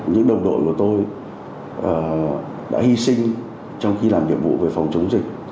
những đồng đội của tôi đã hy sinh trong khi làm nhiệm vụ về phòng chống dịch